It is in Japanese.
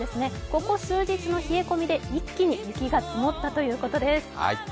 ここ数日の冷え込みで一気に雪が積もったということです。